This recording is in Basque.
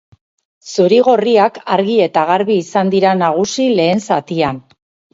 Zuri-gorriak argi eta garbi izan dira nagusi lehen zatian.